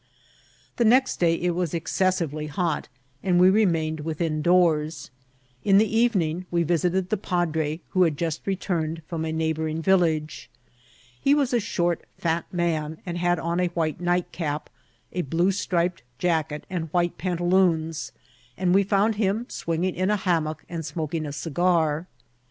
The next day it was excessively hot, and we remain ed within doors. In the evening we visited the padre, who had just returned from a neighbouring village. He was a short, fat man, and had on a white nightcap, a blue striped jacket, and white pantaloons, and we found him swinging in a hammock and smoking a cigar.